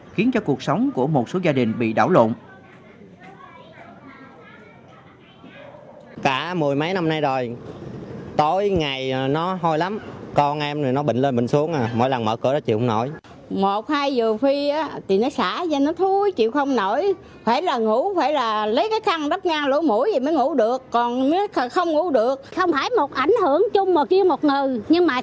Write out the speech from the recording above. khiến cho cuộc sống của một số gia đình bị đảo lộn